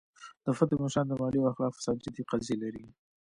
د فتح مشران د مالي او اخلاقي فساد جدي قضیې لري.